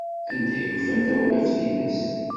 Anda ay ufan tawlaft-nnes?